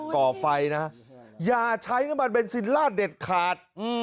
ก่อไฟนะอย่าใช้น้ำมันเบนซินลาดเด็ดขาด